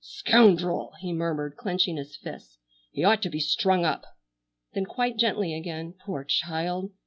"Scoundrel!" he murmured clenching his fists, "he ought to be strung up!" Then quite gently again, "Poor child!